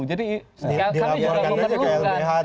jadi kami juga mau perlukan